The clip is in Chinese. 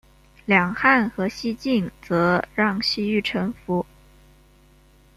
两汉和西晋则让西域臣服。